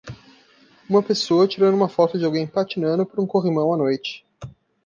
Uma pessoa tirando uma foto de alguém patinando por um corrimão à noite.